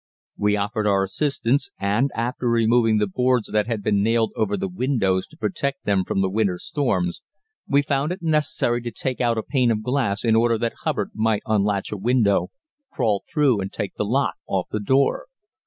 We offered our assistance, and after removing the boards that had been nailed over the windows to protect them from the winter storms, we found it necessary to take out a pane of glass in order that Hubbard might unlatch a window, crawl through and take the lock off the door.